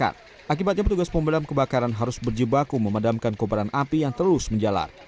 akibatnya petugas pemadam kebakaran harus berjibaku memadamkan kobaran api yang terus menjalar